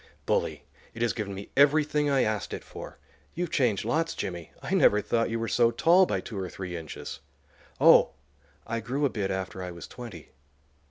"Bully; it has given me everything I asked it for. You've changed lots, Jimmy. I never thought you were so tall by two or three inches." "Oh, I grew a bit after I was twenty."